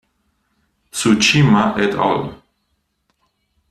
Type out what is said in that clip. Tsushima et al.